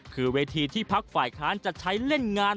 คือเวทีที่พักฝ่ายค้านจะใช้เล่นงาน